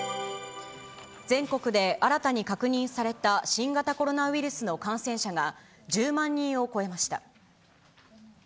全国で新たに確認された新型コロナウイルスの感染者が、１０万人を超えました。